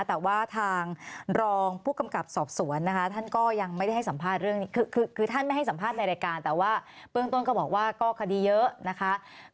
แต่ว่าทางรองผู้กำกับสอบสวนนะคะท่านก็ยังไม่ได้ให้สัมภาษณ์เรื่องนี้คือท่านไม่ให้สัมภาษณ์ในรายการแต่ว่าเบื้องต้นก็บอกว่าก็คดีเยอะนะคะ